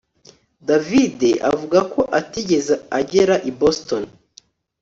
David avuga ko atigeze agera i Boston